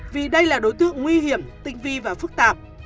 vì đây là đối tượng nguy hiểm tinh vi và phức tạp